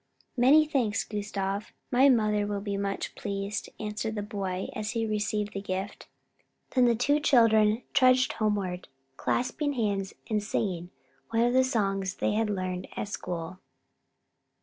"Many thanks, Gustav, my mother will be much pleased," answered the boy, as he received the gift. Then the two children trudged homeward, clasping hands and singing one of the songs they had learned at school.